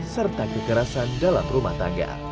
serta kekerasan dalam rumah tangga